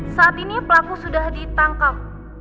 saat ini pelaku sudah ditangkap